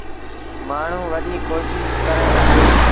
مآڻهوٚݩ وڏيٚ ڪوشيٚش ڪريݩ دآ۔